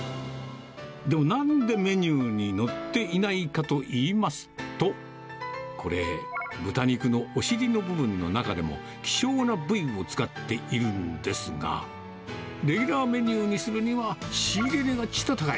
なんでメニューに載っていないかといいますと、これ、豚肉のお尻の部分の中でも希少な部位を使っているんですが、レギュラーメニューにするには、仕入れ値がちと高い。